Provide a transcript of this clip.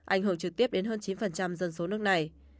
ảnh hưởng trực tiếp đến hơn chín dân số nước này